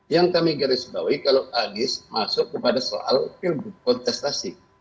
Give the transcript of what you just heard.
yang kami kira kira kalau agis masuk kepada soal kontestasi